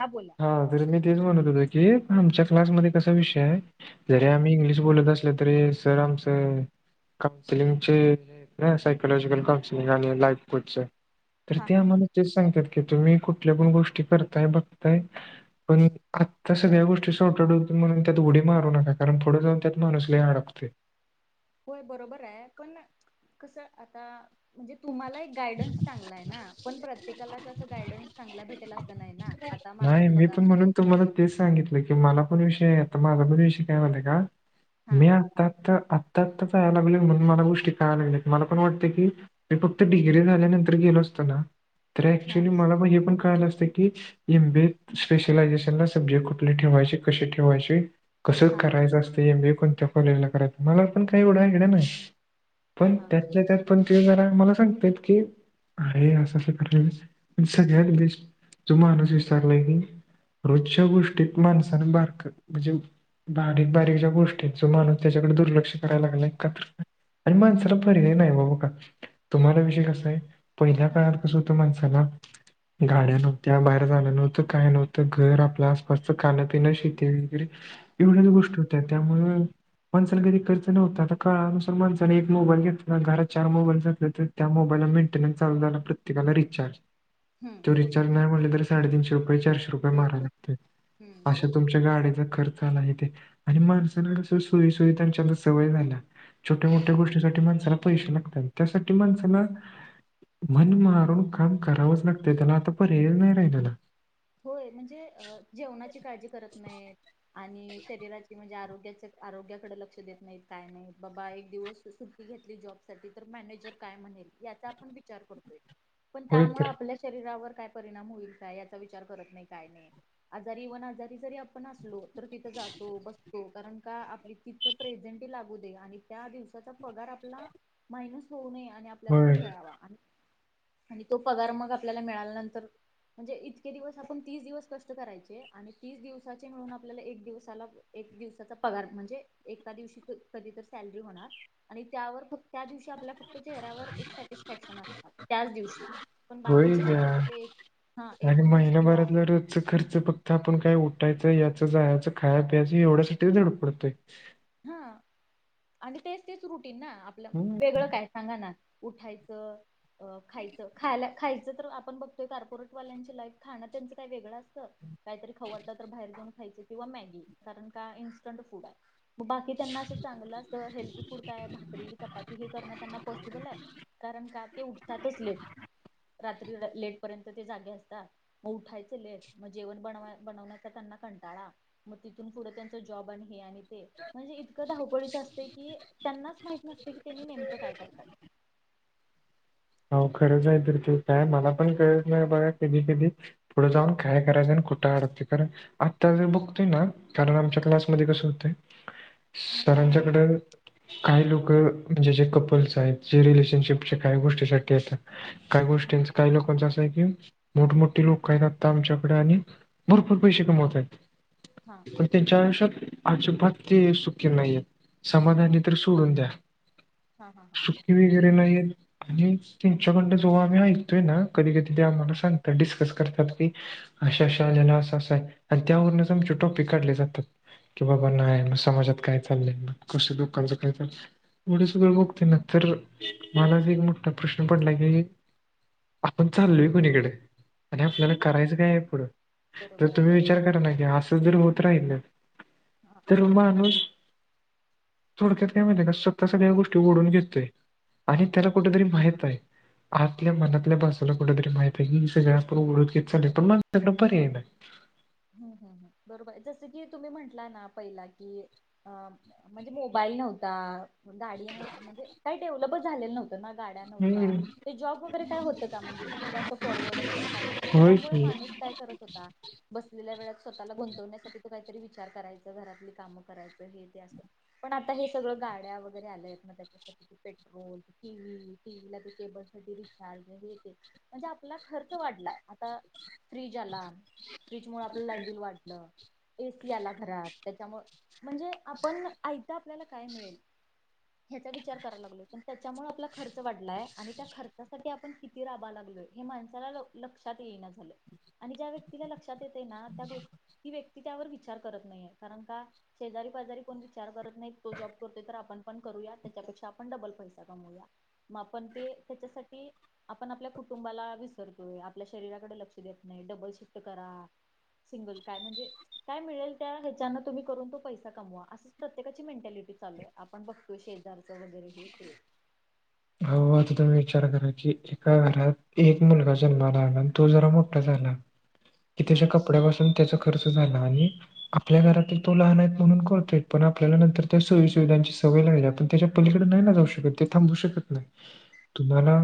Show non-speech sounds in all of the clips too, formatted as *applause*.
हां बोलां हां जरी मी तेचं म्हणतं होतो की आमच्यां क्लासमध्यें कसां विषय आहे जरी हा आम्हीं इंग्लिश बोलतं असं तरी सरं आमचं कौनसिलिंगचे सयकॉलाॉजिकल कौनसिलिंग आणि लाईफ कोचचं तरं हा ते हा हा आम्हांला तेचं सांगत्यांत की तुम्हीं कुठल्यां पणं गोष्टी करतांय बघतांय पणं आंत्ता सगळ्यां गोष्टीं सोप्या हायंत म्हणूंन त्यांत उडी मारूं नकां कारणं पुढं जाऊंन त्यांत माणूंस लंय अडाकतयं होयं बरोबर हायं पणं कसं आंता म्हणजे तुम्हांला एक गायंडन्स चांगला हांय नां पणं प्रत्येकालां चं असं गायंडन्स चांगला भेटेल असं नांय नां आंता माझंच बघां तुम्हांला तेचं सांगितलं की मलां पणं विषय हांय आंता माझां पणं विषय कायं व्हायंलायं कां हा मी आं आंत्ता आंत्ता आंता आंता जांया लागलोय म्हणूंन मलां गोष्टी कळांय लागल्यां मलां पणं वाटतंय की मी फक्तं डिग्री झाल्यानंतर गेलो असतो नां तरं हा ऍक्च्युली मलां पणं हे पणं क कळालं असतं की एमबीए स्पेशलायझेशन लां सब्जेक्ट कुठले ठेवांयचे कसे ठेवांयचे कसं हा हा करायचं असतं एमबीए कोणत्यां कॉलेजलां करायचं मलां पणं कांय एवढं आयडिया नांय हा पणं हा हा त्यांतल्या त्यांत पणं ते जरां मलां सांगत्यात की अरे असं असं करं पणं सगळ्यांत बेस्ट तो माणूंस विचारंलाय की रोजच्यां गोष्टींत माणसानं बारक मजे बारीक बारीक ज्यां गोष्टी हायंत जो माणूंस त्यांच्याकडे दुर्लक्ष करांय लागलांय कां तरं आणि माणसांला पर्याय नाहीं बाबां कां तुम्हांला विषय कसां आहे पहिल्या हा काळाउत कसं होतं माणं हे पहां गाड्यां नव्हत्यां बाहेर जाणं नव्हतं कायं नव्हतं घरं आपल्या आसपासचं खाणंपिणं शेती वगैरें एवढ्यांचं हम्म गोष्टी होत्यां त्यांमुळं माणसानं घरी खर्च नव्हतां आंता काळांनुसारं माणसानं एक मोबाईल घेतला आणि घरांत चार मोबाईल जातं तरं त्यां मोबाईलला मेंटेनन्स चालुं झालां प्रत्येकांला रिचार्ज हम्म तो बरोबर रिचार्ज नांय म्हणलं तरं साडे तीनशे रुपये चारशे रूपये तेच मारावे बघ. लागत्यांत हम्म अशे बरोबर तुमच्यां गाडीच्यां खर्च आंन आहे ते आणि माणसांना कसं सोयी सोयी त्यांची आंता सवयं झालीया छोट्यां मोठ्यां गोष्टीसांठी माणसांला पैसे लागत्यांल त्यांस माणसांला मनं मारूंन कामं करावंच लागतंय त्यांला आंता पर्यायचं नांय राहिलेला होयं म्हणजे जेवणांची काळजी करतं नाहींत आणि शरीराची म्हणजे आरोग्यांची आरोग्यांकडे लंक्ष देतं नाहींत कायं नाहींत बाबां एक दिवसं सुट्टी घेतली जॉबसाठी तरं मॅनेजरं कायं म्हणेल यांचा आपणं विचांर करतोय आहे *inaudible* *unintelligible* पणं त्यांमुळं तर आपल्यां शरीरांवरं कायं परिणाम हुईल कां विचारं करतं नाहीं कायं नाहीं आजारी वंन आजारी जरी आपणं असलो तरं तिथं जातो बसतो कारणं कां आपली तिथं प्रेझेंटी लागूं दे आणि त्यांदिवसांचा पगांर आपलां मायनंस होऊंन नये आणि आ आपल्यांला तो होय मिळांवा आणं, आणि तो पगांर मगं आपल्यांला मिळाल्यानंतर, म्हणजे इ ईतके दिवस आपण, तीस दिवस कष्ट करायचे, आणि तीस दिवसाचे मिळून, आपल्याला एक दिवसाला एक दिवसाचा पगार, म्हणजे एका दिवशी, क् कधी तर सॅलरी होणार आणि त्यावर, फक्त त्या दिवशी आपल्याला, फ क्त, चेहऱ्यावर एक सॅटिस्फॅक्शन असणार, त्याच दिवशी, पण होय बाकीचे जे या उरलेले हा आणि एकोणतीस महीनाभर किंवा जर *unintelligible* खर्च फक्त आपण काय उठायचं, याच-जायाच, खाय-पियाच एवढ्यासाठीच धडपडतोय. हं आणि, तेच- तेच रुटीन ना, आपलं हम्म वेगळं काय सांगा ना, उठायचं अ खायचं, खायला खायचं तर, आपण बघतोय, कार्पोरेटवाल्यांची लाइफ, खाणं त्यांचं काही वेगळं असतं. काहीतरी खाऊ वाटल, तर बाहेर जाऊन खायच किंवा मॅगी, कारण का, इन्स्टंट फूड ये. म बाकी, त्यांना असं चांगलं, असं हेल्थी फूड काय, भाकरी, चपाती हे करण, त्यांना पॉसिबल ये? कारण का, ते उठतातच लेट, रात्री र लेटपर्यंत, ते जागे असता. म उठायचं लेेट, म जेवण बन-बनवण्याचा त्यांना कंटाळा. म तिथून पुढं त्यांचा जाॅब, आणि हे अणि ते. म्हणजे इतकं धावपळीच असत की, त्यांनाच माहीत नसते की, त्यांनी नेमकं काय करतात? अवघडच हाय तर ते काय, मला पण कळतं नाही, बघा कधी-कधी पुढ जाऊन काय करायचं, अन कुठं *unintelligible* आत्ता जे बघतोय ना, कारण आमच्या क्लासमध्ये कसं होतंय? सरांच्याकड काही लोकं, म्हणजे जे कपल्स आहेत, जे रिलेशनशिपचे काही गोष्टी शक्य ये त, काही हा गोष्टींचं, काही लोकांच असं य कि मोठ-मोठी लोकं आहेत, आता आमच्याकड, आणि भरपूर पैसे कमवतायेत. हां. पण त्यांच्या आयुष्यात, अजिबात ते सुखी नाहीयेत. समाधानी, तर सोडून द्या. हां हां हां. *unintelligible* नाहीयेत. आणि त्यांच्याकडन जेव्हा आम्ही ऐकतोय ना, कधी- कधी ते आम्हाला सांगतात, डिस्कस करतात की अशा-अशा ह्याला, असं-असं य, अन त्यावरूनच आमचे, टोपीक काढले जातात. की बाबा नाय, म समाजात काय चाललंय, मग कसं लोकांच काय चालय.? एवढं सगळ बघतोय ना तर, मलाच एक मो ठा प्रश्न पडलाय की, आपण चाललोय कुणीकड? आणि आपल्याला हम्म करायचं काय ये पुढं? तर बरोबर आहे तुम्ही विचार बरोबर आहे. करा ना, की असं जर होत राहील हां. तरून माणूस थोडक्यात काय माहितीये का, स्वतः सगळ्या गोष्टी ओढून घेतोय, आणि हे त्याला कुठतरी माहित आहे. आतल्या मनातल्या बाजूला, कुठंतरी माहित आहे की, सगळं आपण ओढत घेत चालोय, पण *unintelligible* पर्याय नाय. हम् हम् ह बरोबर, ये जसं की तुम्ही म्हंटला ना, पहिला की अ म्हणजे मोबाईल नव्हता, गाडी नव्ह म्हणजे काही डेव्हलपच झालेलं नव्हतं त ना गाड्या नव्हता हम्म ते जॉब वगैरे काय होतं का, म्हणजे इतकं असं फॉरवर्ड वगैरे काय नव्हतं, होय त्यामुळ की माणूस काय करत होता? बसलेल्या वेळात स्वतःला गुंतवण्यासाठी, ते काहीतरी विचार करायचा, घरातली कामं करायचं, हे ते असं पण आता हे सगळं गाड्या वगैरे, आल्यात ना त्याच्यासाठी ते पेट्रोल, ती टीव्ही, टीव्हीला ते केबलसाठी रिचार्ज, मग हे ते म्हणजे आपला खर्च वाढलाय, आता फ्रीज आला. ह फ्रीज मूळ आपल्याला लाईट बील वाटलं? एसी आला घरात, त्याच्यामु म्हणजे आपण ऐदा आपल्याला काय मिळेल? ह्याचा विचार करायला लागलोय, पण त्याच्यामुळे आपला खर्च वाढलाय, आणि त्या खर्चासाठी आपणिती राबा लागलोय, हे माणसाला लक्षात येई नाही झालं व्यक् तिला लक्षात येते ना, त्या गोष्ट ही व्यक्ती त्यावर विचार करत नाहीये, कारण का शेजारी पाजारी कोण विचार करत नाही, तो जॉब करते तर आपण पण करूया त्याच्यापेक्षा आपण डबल पैसा कमूया? मग आपण ते त्याच्यासाठी, आपण आपल्या कुटुंबाला विसरतोय, आपल्या शरीराकडे लक्ष देत नाही, डबल शिफ्ट करा सिंगल काय म्हणजे? काय मिळेल, त्या ह्याच्याना तुम्ही करून तो पैसा कमवा असंच प्रत्येकाची मेटॅलिटी चालू आहे? पण बघतो शेजारचं वगैरे हे ते, हो आता तुम्ही विचार करा की,. एका घरात एक मुलगा जन्माला आला आणि तो जरा मोठा झाला कि, हा त्याच्या कपड्यापासून त्याचा खर्च झाला, आणि आपल्या घरातील तो लहान आहेत म्हणून करतो?, पण आपल्याला नंतर त्या सोयी सुुविधांची सवय लागली पण त्याच्या, पलीकडे नाही ना जाऊ शकत, ते थांबू शकत नाही तुम्हाला,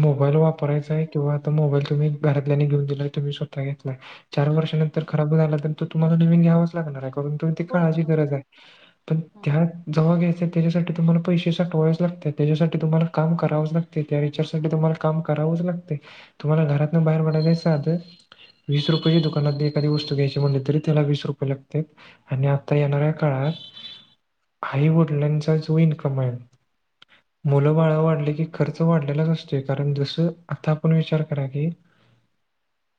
मोबाईल वापरायचाय किंवा आता मोबाईल तुम्ही घरातल्या घेऊन दिलाय तुम्ही स्वतः घेतलाय? चार वर्षांानंतर खराब झाला तरंत तुम्हाला नवीन घ्यावा. लागणार आहे कारण होय काळाची बरोबर गरज आहे पण हा त्या, जव घ्याय त्याच्यासाठी तुम्हाला पैसे सा टोवायच लागत त्याच्यासाठी, तुम्हाला काम करावंच लागते, त्या विचारसाठी तुम्हाला काम करावंच लागते? तुम्हाला घरात ना बाहेर पडायलाचधं *unintelligible* वीस रुपयेची दुकानात एादी वत घ्यायची म्हटले त त्याला वीस रुपये लागतेात? आणि आता येणाऱ्या काळात आई वडलां चा जो इन्कम आहे. हा मुलं बाळ वाढ की खर्च, वाढलेलाच असतो. कारण जस आपण विचार की,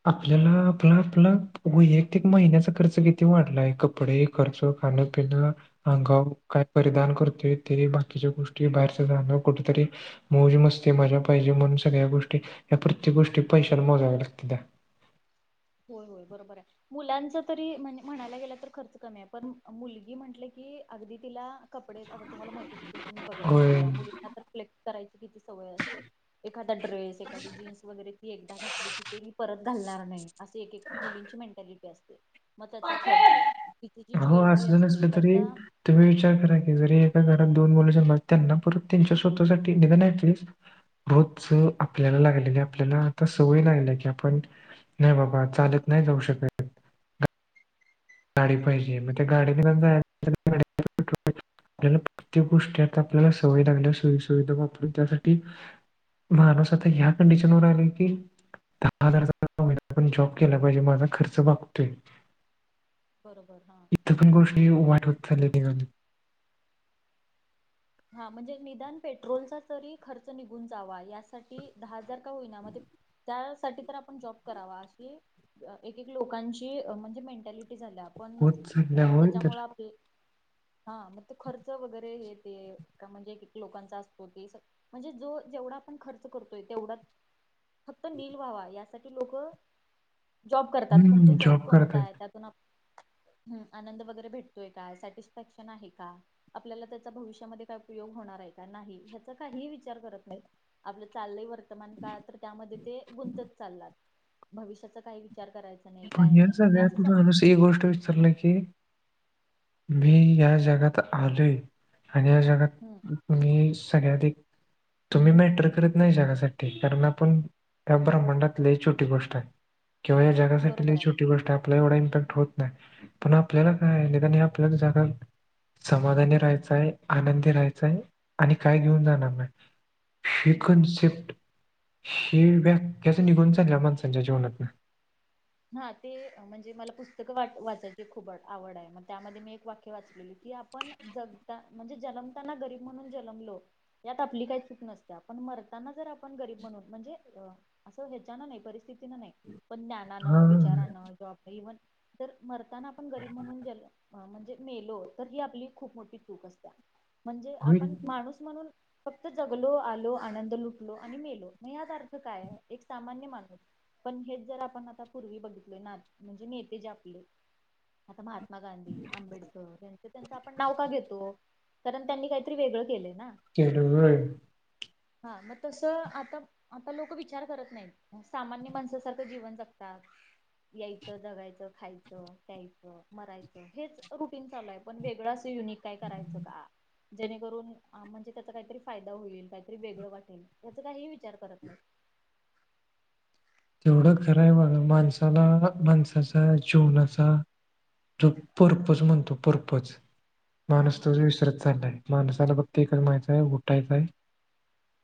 आपल्याला आपला, आपला वैयक्तिक महिन्याचा खर्च किती वाढलाय कपडे खर्च खान पिन अंगावर काय परिधान करतो, ते बाकीच्या गोष्टी जाण कुठंतरी, मोज मस्ते मजा पाहिजे, म्हणून सगळ्या गोष्टी या प्रत्येक गोष्टी पैशाला मोजाव्या लागते. त्या होय होय बरोबर आहे? मुलांच तरी म्हणजे म्हणायला गेलं तर खर्च कमी आहे पण मुलगी म्हटले की अगदी तिला? कपडे आता तुम्हाला माहितीच असेतील तुम्ही बघत अस का होय मुलींना तर फ्लेक् करायची किती सवय असते एखादा ड्रेस एखादीे जीन्स वगैरे, ी एकदा घातली की, ते मी परत घालणार नाही. असे एक एक मुलींची मेंटॅलिटी असते? मग त्याचा खर्च, तिची हो ज्वेलरी असलं असते नसलं तरी त्याचा, तुम्ही विचार करा की जरी एका घरात दोन मुलं जनम त्यांना परत त्यांच्या स्वतःसाठी निघ नाही. पलीज रोज आपल्याला लागलेली आपल्याला आता सवय लागल्या की आपण *unintelligible* नाही बाबा चालत नाही जाऊ शकत? गाडी पाहिजे मग त्या गाडीने पण जाय *inaudible* आपल्याला प्रत्येक गोष्टीत आपल्याला सवय लागल्या सोयी सुविधा वापरून त्यासाठी, माणूस आता ह्या कंडिशनवरर आलेय की, दहा हजार पण जॉब केला पाहिजे. माझा खर्च वागतोय, बरोबर हा? पण कोष्ट वाट होत चाल तेगा- हा म्हणजे निदान पेट्रोलचा तरी खर्च निघून जावा यासाठी दहा हजार, का होईना मग ते त्यासाठी तराआपण जॉब करावा, अशी एक एक लोकांची म्हणजे मेंटॅलिटी झाल्या पण होत चालल्या होय तर त्याच्यामुळं आपले हा मग तो खर्च वगैरे हे ते, का म्हणजे एक एक लोकांचा असतो ते, म्हणजे जो जेवढा आपण खर्च करतोय तेवढा फक्त नील व्हावा, यासाठी लोकं जॉब करतात, पण तो हम्म जॉब करतायत कोणता आहे त्यातून आप हम्म, आनंद वगैरे भेटतोय का, सॅटिस्फॅक्शन आहे का, आपल्याला भविष्यामधे काय उपयोग होणार आहे का, नाही हेचा काही विचार करत नाही, आपलं चाललय वर वर्तमान काळ तर त्यामध्ये ते गुंतत चाललात, भविष्याचा काही विचार कराय पण मेन सगळ्यात माणूस एक गोष्ट विसरला की मी या जगात आलोय, आणि या जगात हम्म ही सगळ्यात तुम्ही मॅटर करत नाही जगासाठी, कारण आपण या ब्रम्हांडात लय छोटी गोष्ट हाय, किंवा या जगासाठी लय बरोबर आहे छोटी गोष्ट आहे आपला एवढा इम्पॅक्ट होत नाही, पण आपल्याला काय निदान या आपल्या जगात समाधानी राहायचाय, आनंदी राहायचाय, आणि काय घेऊन जाणार नाही. हि हम्म हम्म कनसेप्ट, हि व्याक्याच निघून चालल्या माणसांच्या जीवनातून. हा, ते म्हणजे मला पुस्तकं वा वाचायची खूप आवड आहे, मग त्यामध्ये मी एक वाक्य वाचलेली की आपण जगता म्हणजे जनमताना गरीब म्हणून जनमलो यात आपली काही चूक नसत्या, पण मरताना जर आपण गरीब म्हणून म्हणजे अ असं ह्याच्यान नाही परिस्थितीनं नाही, पण ज्ञानानं, हा विचारानं, जॉब इव्हन तर मरताना आपण गरीब म्हणून गेलो म्हणजे मेलो, तर ही आपली खूप मोठी चूक असत्या, म्हणजे होय आपण माणूस म्हणून फक्त जगलो, आलो, आनंद लुटलो, आणि मेलो, मग यात अर्थ काय आहे. एक सामान्य माणूस, पण हेच जर आपण पूर्वी बघितलं ना म्हणजे नेते जे आपले, आता मा महात्मा गांधी, आंबेडकर यांच त्यांचं आपण नाव वेगळं का घेतो, कारण त्यांनी काहीतरी वेगळं केलय ना. केलय व्हय. हा मग तसं, आता आता लोकं विचार करत नाहीत, सामान्य माणसासारखं जीवन जगत तात. यायचं जगायचं खायचं प्यायचं मरायचं, हेच रुटीन चालू आहे पण वेगळं असं युनिक काय करायचं का.? जेणेकरून म्हणजे त्याचा काहीतरी फायदा होईल, काहीतरी वेगळं वाटेल, याचा काही विचार करत नाहीत. तेवढं खरं आहे बघा, माणसाला माणसाचा जीवनाचा जो पर्पज म्हणतो पर्पज, हा माणुस हा तोच हा विसरत चाललाय, माणसाला फक्त एकच माहिताय, उठायचय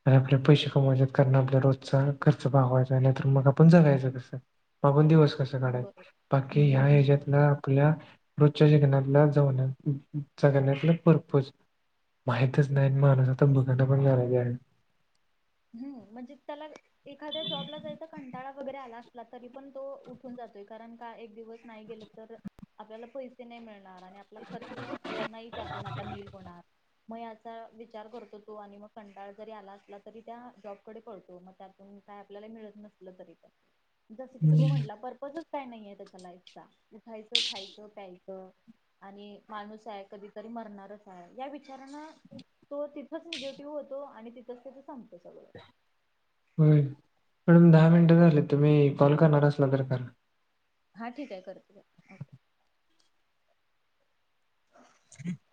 आणि आपल्या पैसे कमावायचेत कारण आपल्या रोजचा खर्च भागवायचाय तर मग आपण जगायचं कसं, मग आपण दिवस कसं काढायच, बरोबर बाकी ह्याज्यातनं, बरोबर आपल्या रोजच्या जिंगण्यातला, जवनातल्या जगण्याचा परपज् माहीतीच नाही अन माणूस आता बघाना पण झालाय त्याच्याकडं. हम्म म्हणजे त्याला एखाद्या जॉबला जायचा जरी कंटाळा वगैरे आला असला, तरी पण तो उठून जातोय कारण का एक दिवस नाही गेलं तर, आपल्याला पैसे ते नाही मिळणार आणि आपला खर्च नाही त्यातून आता नील होणार. मग याचा विचार करतो तो आणि मग कंटाळा जरी आला असला तरी त्या जॉबकडे पळतो मग त्यातून काय आपल्याला मिळत नसल तरी पण. जसं की तुम्ही हम्म म्हटला पर्पजच काय नाहीय त्याचा लाईफचा उठायचं, खायचं, प्यायचं आणि माणूस हाय कधीतरी मरणारच हाय या विचारान तो तिथंच निगेटिव्ह होतो आणि तिथंच त्याचं संपत सगळं. होय मॅडम दहा मिनटं झालेत तुम्ही कॉल करणार असला तर करा. हा ठीक आहे करते ओके. *inaudible* *inaudible*